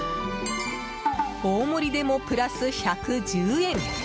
大盛りでもプラス１１０円！